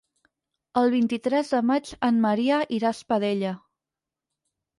El vint-i-tres de maig en Maria irà a Espadella.